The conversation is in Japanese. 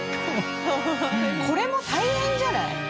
これも大変じゃない？